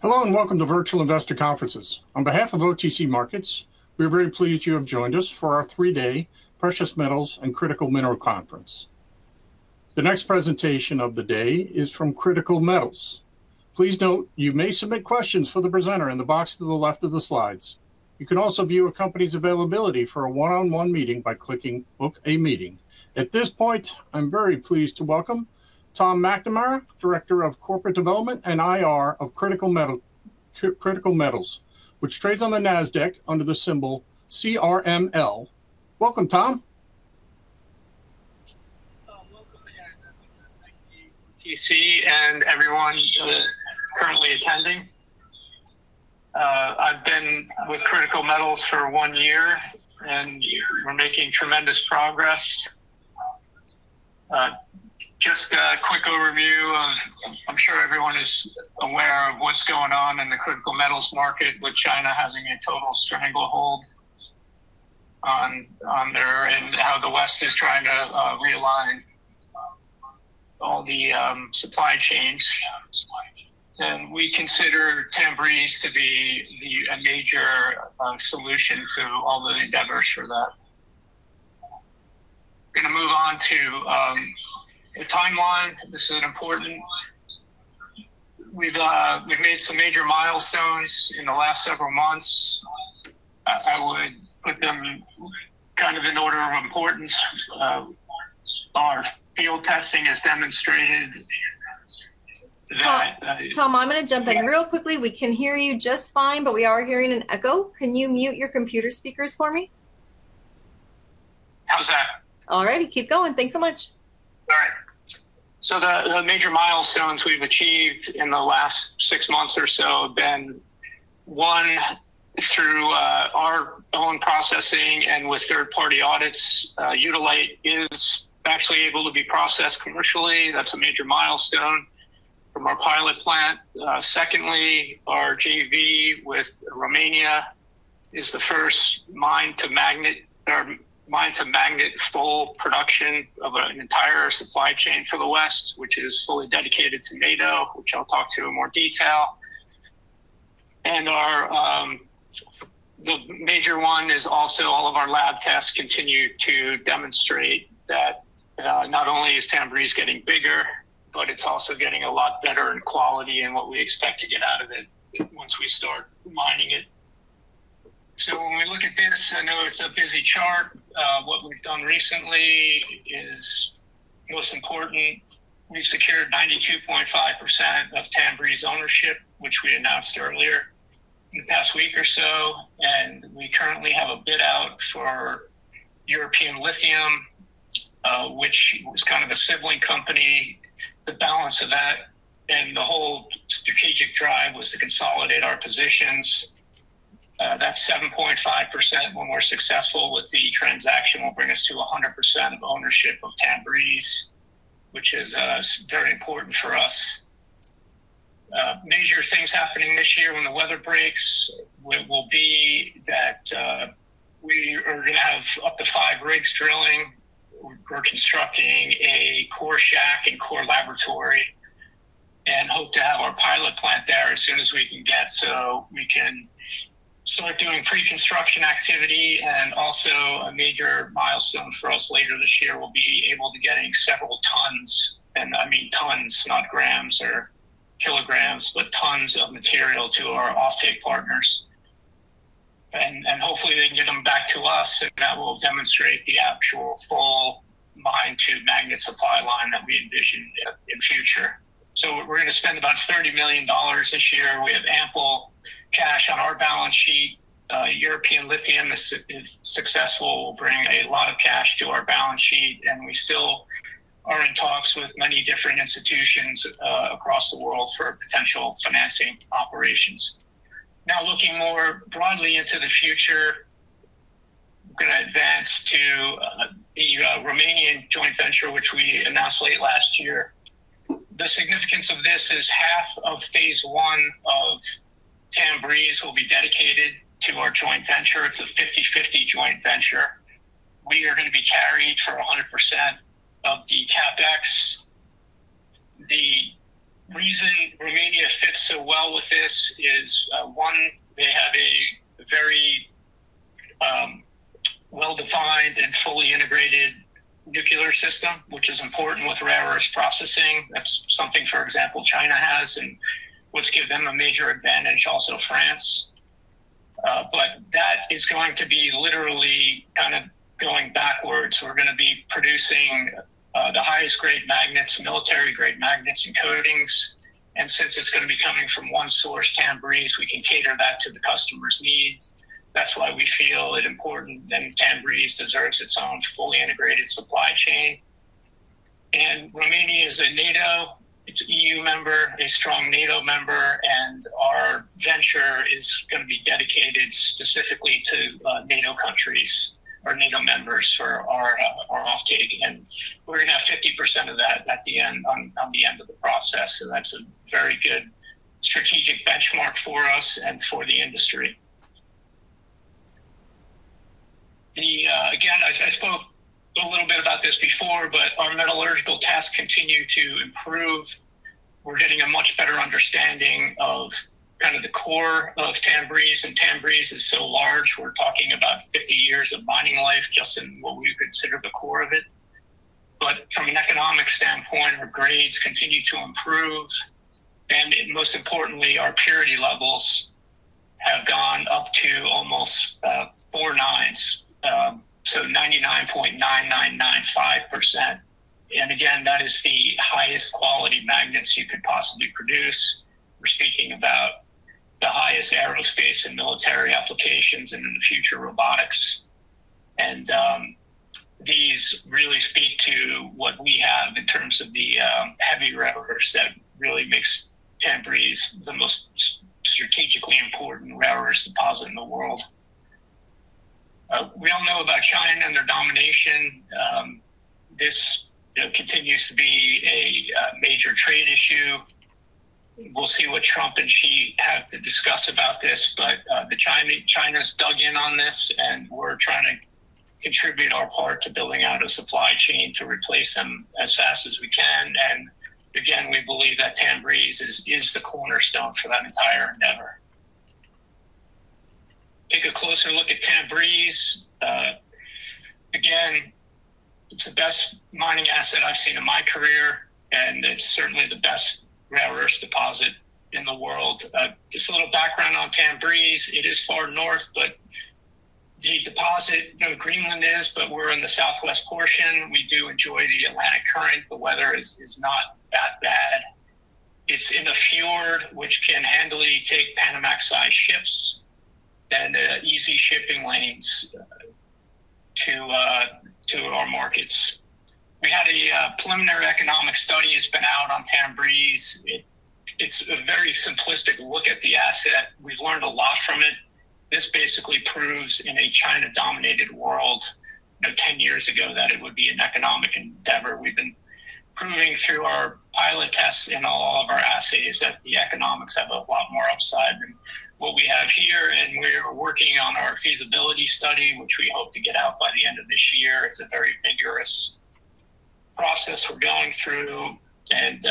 Hello and welcome to Virtual Investor Conferences. On behalf of OTC Markets, we are very pleased you have joined us for our three-day Precious Metals and Critical Mineral Conference. The next presentation of the day is from Critical Metals. Please note you may submit questions for the presenter in the box to the left of the slides. You can also view a company's availability for a one-on-one meeting by clicking Book a Meeting. At this point, I'm very pleased to welcome Tom McNamara, Director of Corporate Development and IR of Critical Metals, which trades on the Nasdaq under the symbol CRML. Welcome, Tom. Welcome to the- -OTC and everyone currently attending. I've been with Critical Metals for one year, and we're making tremendous progress. Just a quick overview of I'm sure everyone is aware of what's going on in the Critical Metals market, with China having a total stranglehold on there, and how the West is trying to realign all the supply chains. We consider Tanbreez to be a major solution to all those endeavors for that. I'm gonna move on to a timeline. This is important. We've made some major milestones in the last several months. I would put them kind of in order of importance. Our field testing has demonstrated that. Tom, I'm gonna jump in real quickly. We can hear you just fine, but we are hearing an echo. Can you mute your computer speakers for me? How's that? All righty. Keep going. Thanks so much. All right. The major milestones we've achieved in the last six months or so have been, 1, through our own processing and with third-party audits, eudialyte is actually able to be processed commercially. That's a major milestone from our pilot plant. Secondly, our JV with Romania is the first mine to magnet full production of an entire supply chain for the West, which is fully dedicated to NATO, which I'll talk to in more detail. Our, the major one is also all of our lab tests continue to demonstrate that not only is Tanbreez getting bigger, but it's also getting a lot better in quality and what we expect to get out of it once we start mining it. When we look at this, I know it's a busy chart. What we've done recently is most important, we've secured 92.5% of Tanbreez ownership, which we announced earlier in the past week or so, and we currently have a bid out for European Lithium, which was kind of a sibling company, the balance of that. The whole strategic drive was to consolidate our positions. That 7.5%, when we're successful with the transaction, will bring us to 100% of ownership of Tanbreez, which is very important for us. Major things happening this year when the weather breaks will be that, we are gonna have up to five rigs drilling. We're constructing a core shack and core laboratory and hope to have our pilot plant there as soon as we can get so we can start doing pre-construction activity. Also a major milestone for us later this year, we'll be able to getting several tons, and I mean tons, not grams or kilograms, but tons of material to our offtake partners. Hopefully they can get them back to us, and that will demonstrate the actual full mine to magnet supply line that we envision in future. We're gonna spend about $30 million this year. We have ample cash on our balance sheet. European Lithium, if successful, will bring a lot of cash to our balance sheet, we still are in talks with many different institutions across the world for potential financing operations. Now looking more broadly into the future, gonna advance to the Romanian joint venture, which we announced late last year. The significance of this is half of phase I of Tanbreez will be dedicated to our joint venture. It's a 50/50 joint venture. We are gonna be carried for 100% of the CapEx. The reason Romania fits so well with this is, one, they have a very well-defined and fully integrated nuclear system, which is important with rare earths processing. That's something, for example, China has and what's give them a major advantage, also France. That is going to be literally kind of going backwards. We're gonna be producing the highest grade magnets, military grade magnets and coatings. Since it's gonna be coming from one source, Tanbreez, we can cater that to the customer's needs. That's why we feel it important that Tanbreez deserves its own fully integrated supply chain. Romania is a NATO, it's EU member, a strong NATO member, and our venture is going to be dedicated specifically to NATO countries or NATO members for our offtake. We're going to have 50% of that on the end of the process, so that's a very good strategic benchmark for us and for the industry. The again, I spoke a little bit about this before, but our metallurgical tests continue to improve. We're getting a much better understanding of kind of the core of Tanbreez, and Tanbreez is so large, we're talking about 50 years of mining life just in what we would consider the core of it. From an economic standpoint, our grades continue to improve, and most importantly, our purity levels have gone up to almost four nines, so 99.9995%. Again, that is the highest quality magnets you could possibly produce. We're speaking about the highest aerospace and military applications, and in the future, robotics. These really speak to what we have in terms of the heavy rare earths that really makes Tanbreez the most strategically important rare earths deposit in the world. We all know about China and their domination. This, you know, continues to be a major trade issue. We'll see what Trump and Xi have to discuss about this. The China's dug in on this, we're trying to contribute our part to building out a supply chain to replace them as fast as we can. Again, we believe that Tanbreez is the cornerstone for that entire endeavor. Take a closer look at Tanbreez. Again, it's the best mining asset I've seen in my career, it's certainly the best rare earths deposit in the world. Just a little background on Tanbreez. It is far north, but the deposit, you know, Greenland is, but we're in the southwest portion. We do enjoy the Atlantic current. The weather is not that bad. It's in a fjord which can handily take Panamax-sized ships, easy shipping lanes to our markets. We had a preliminary economic study that's been out on Tanbreez. It's a very simplistic look at the asset. We've learned a lot from it. This basically proves in a China-dominated world, you know, 10 years ago that it would be an economic endeavor. We've been proving through our pilot tests in all of our assays that the economics have a lot more upside than what we have here, and we're working on our feasibility study, which we hope to get out by the end of this year. It's a very vigorous process we're going through and,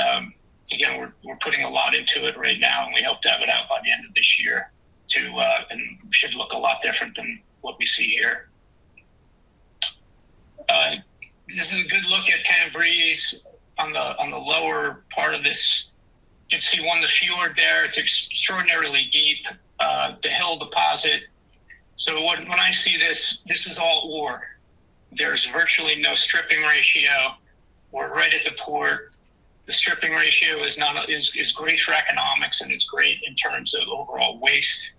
again, we're putting a lot into it right now, and we hope to have it out by the end of this year and should look a lot different than what we see here. This is a good look at Tanbreez on the, on the lower part of this. You can see one, the fjord there, it's extraordinarily deep, the hill deposit. When I see this is all ore. There's virtually no stripping ratio. We're right at the port. The stripping ratio is great for economics, and it's great in terms of overall waste.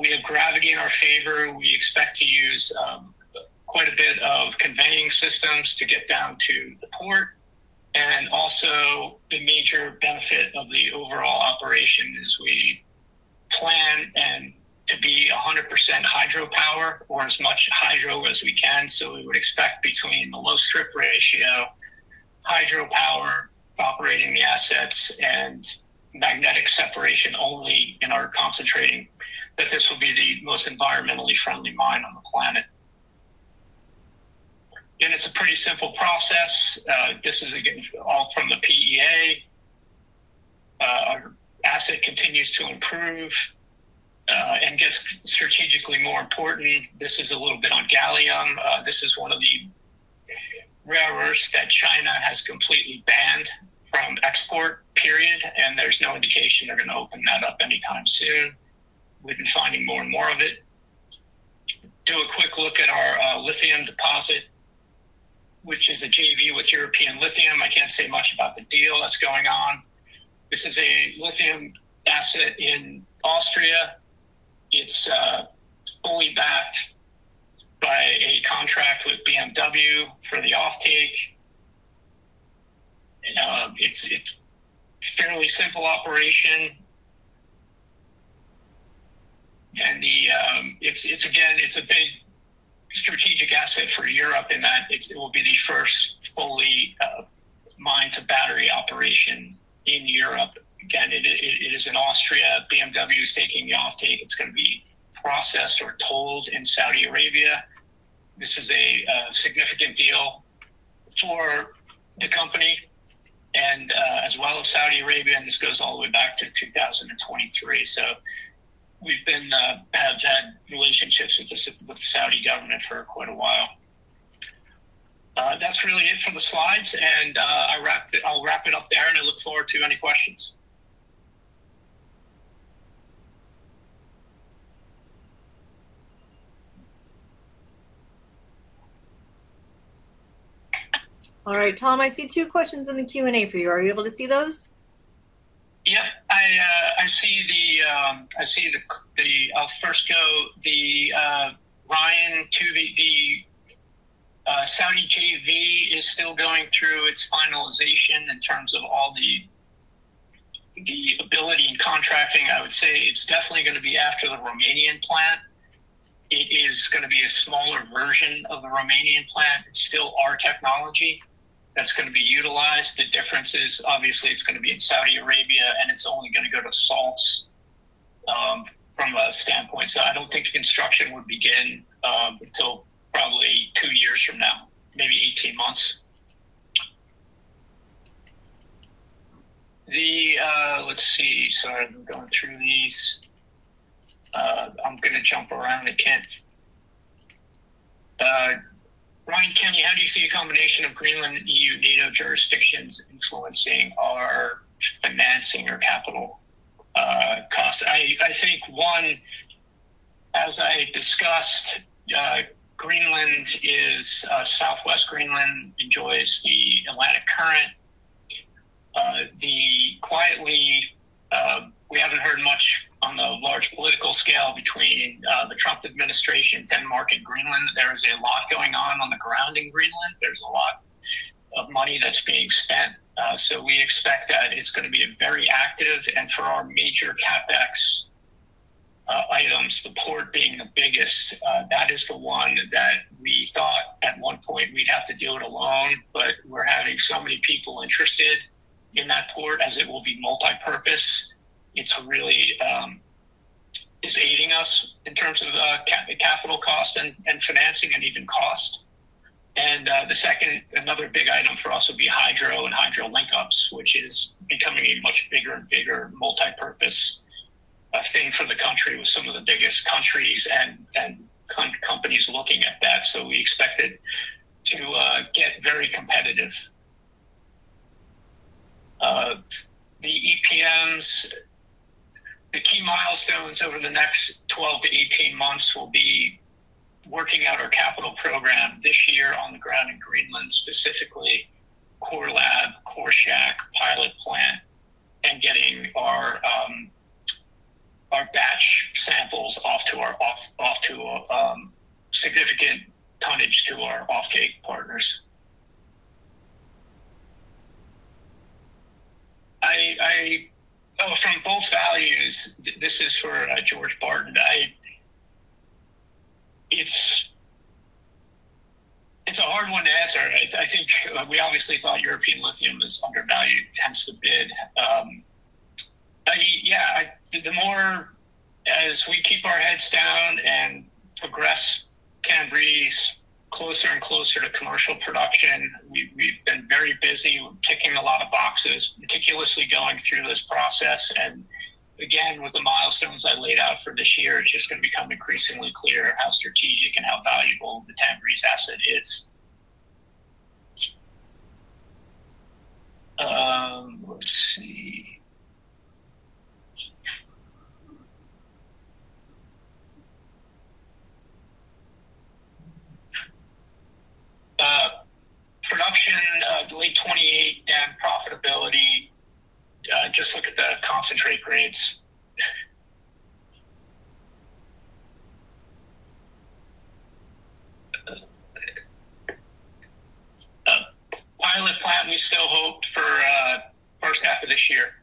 We have gravity in our favor. We expect to use quite a bit of conveying systems to get down to the port. Also, a major benefit of the overall operation is we plan to be 100% hydropower or as much hydro as we can. We would expect between the low strip ratio, hydropower operating the assets, and magnetic separation only in our concentrating that this will be the most environmentally friendly mine on the planet. Again, it's a pretty simple process. This is again all from the PEA. Our asset continues to improve and gets strategically more important. This is a little bit on gallium. This is one of the rare earths that China has completely banned from export, period, and there's no indication they're gonna open that up anytime soon. We've been finding more and more of it. Do a quick look at our lithium deposit, which is a JV with European Lithium. I can't say much about the deal that's going on. This is a lithium asset in Austria. It's fully backed by a contract with BMW for the offtake. It's fairly simple operation. It's again, it's a big strategic asset for Europe in that it'll be the first fully mine to battery operation in Europe. It is in Austria. BMW is taking the offtake. It's gonna be processed or tolled in Saudi Arabia. This is a significant deal for the company as well as Saudi Arabia. This goes all the way back to 2023. We've been have had relationships with the Saudi government for quite a while. That's really it for the slides, I'll wrap it up there, I look forward to any questions. All right, Tom, I see two questions in the Q&A for you. Are you able to see those? Yeah. I see the I'll first go the Ryan and two will be, Saudi JV is still going through its finalization in terms of all the ability and contracting. I would say it's definitely gonna be after the Romanian plant. It is gonna be a smaller version of the Romanian plant. It's still our technology that's gonna be utilized. The difference is obviously it's gonna be in Saudi Arabia, and it's only gonna go to salts from a standpoint. I don't think construction would begin until probably two years from now, maybe 18 months. Let's see. Sorry, I'm going through these. I'm gonna jump around. I can't. Ryan Kenney, how do you see a combination of Greenland EU native jurisdictions influencing our financing or capital costs? I think, one, as I discussed, southwest Greenland enjoys the Atlantic current. The quietly, we haven't heard much on the large political scale between the Trump administration, Denmark, and Greenland. There is a lot going on on the ground in Greenland. There's a lot of money that's being spent. We expect that it's gonna be a very active and for our major CapEx items, the port being the biggest, that is the one that we thought at one point we'd have to do it alone, but we're having so many people interested in that port as it will be multipurpose. It's really, is aiding us in terms of capital costs and financing and even cost. The second, another big item for us would be hydro and hydro linkups, which is becoming a much bigger and bigger multipurpose thing for the country with some of the biggest countries and companies looking at that, so we expect it to get very competitive. The EPMs, the key milestones over the next 12-18 months will be working out our capital program this year on the ground in Greenland, specifically Core Lab, Core Shack, pilot plant, and getting our batch samples off to our significant tonnage to our off-take partners. From both values, this is for George Barton. It's a hard one to answer. I think we obviously thought European Lithium is undervalued hence the bid. I mean, yeah, the more as we keep our heads down and progress Tanbreez closer and closer to commercial production, we've been very busy ticking a lot of boxes, meticulously going through this process. Again, with the milestones I laid out for this year, it's just gonna become increasingly clear how strategic and how valuable the Tanbreez asset is. Let's see. Production, the late 2028 and profitability, just look at the concentrate grades. Pilot plant we still hope for, first half of this year.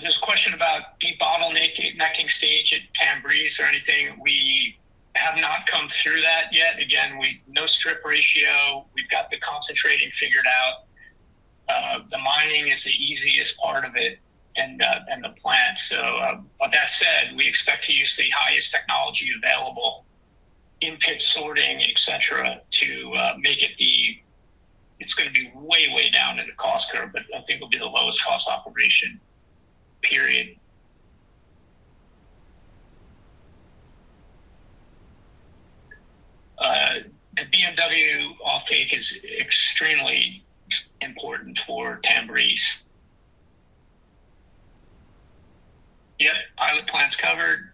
This question about de-bottlenecking stage at Tanbreez or anything, we have not come through that yet. Again, no strip ratio. We've got the concentrating figured out. The mining is the easiest part of it and the plant. With that said, we expect to use the highest technology available in pit sorting, et cetera. It's gonna be way down in the cost curve, but I think it'll be the lowest cost operation, period. The BMW off-take is extremely important for Tanbreez. Yep, pilot plant's covered.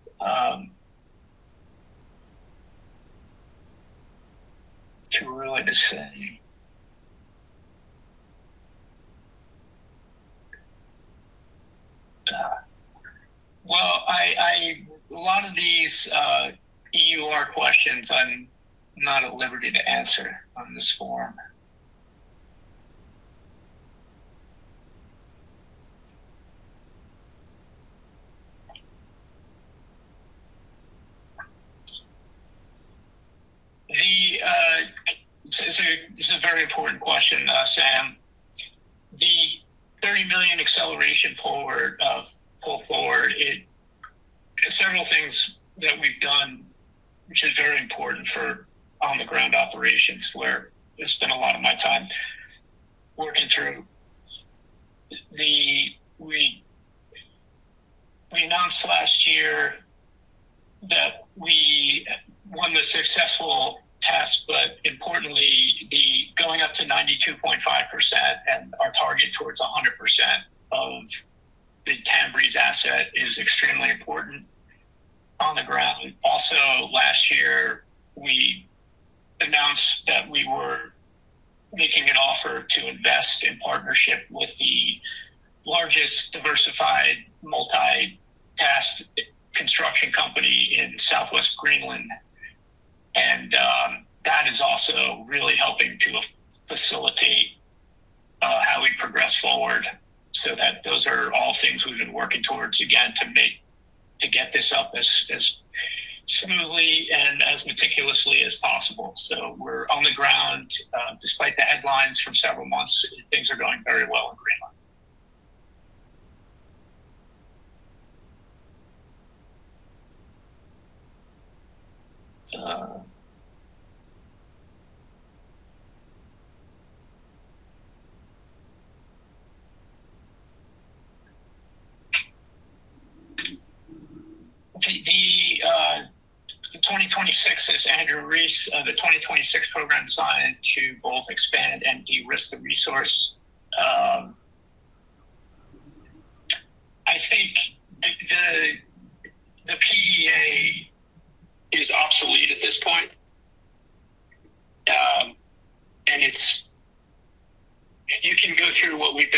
Too early to say. Well, I, a lot of these, your questions I'm not at liberty to answer on this form. This is a very important question, Sam. The $30 million acceleration forward, pull forward. Several things that we've done which is very important for on the ground operations where I spend a lot of my time working through. We announced last year that we won the successful test, importantly, the going up to 92.5% and our target towards 100% of the Tanbreez asset is extremely important on the ground. Last year, we announced that we were making an offer to invest in partnership with the largest diversified multi-task construction company in southwest Greenland. That is also really helping to facilitate how we progress forward. Those are all things we've been working towards, again, to get this up as smoothly and as meticulously as possible. We're on the ground. Despite the headlines from several months, things are going very well in Greenland. The 2026 program designed to both expand and de-risk the resource. I think the PEA is obsolete at this point. You can go through what we have been announcing in the past year, it again points to that.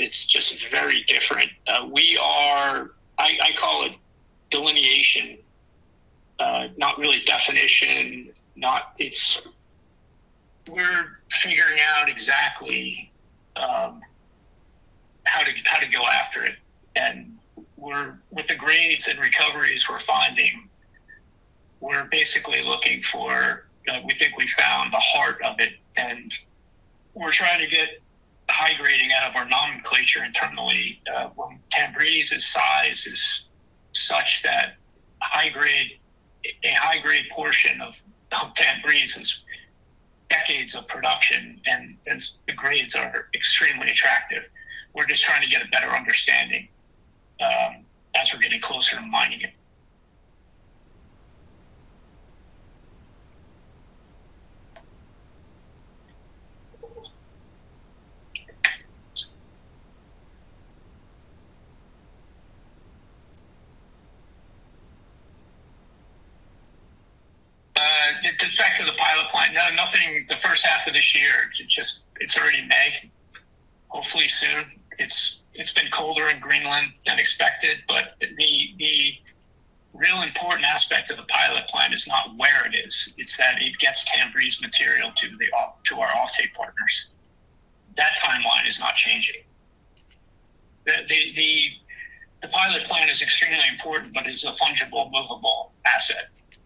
It's just very different. I call it delineation, not really definition. We're figuring out exactly how to go after it. With the grades and recoveries we're finding, we're basically looking for, we think we found the heart of it, and we're trying to get high grading out of our nomenclature internally. Tanbreez's size is such that a high grade portion of Tanbreez is decades of production, the grades are extremely attractive. We're just trying to get a better understanding as we're getting closer to mining it. It's back to the pilot plant. No, nothing the first half of this year. It's just, it's already May. Hopefully soon. It's been colder in Greenland than expected, but the real important aspect of the pilot plant is not where it is, it's that it gets Tanbreez material to our off-take partners. That timeline is not changing. The pilot plant is extremely important, but is a fungible, movable asset.